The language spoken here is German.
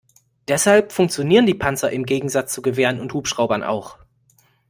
Deshalb funktionieren die Panzer im Gegensatz zu Gewehren und Hubschraubern auch.